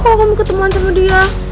kalau kamu ketemuan sama dia